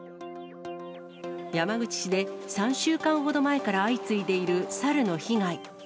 山口市で３週間ほど前から相次いでいるサルの被害。